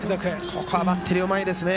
ここはバッテリーうまいですね。